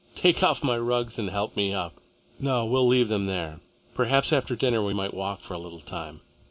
"Take off my rugs and help me up. No, we'll leave them there. Perhaps, after dinner, we might walk for a little time."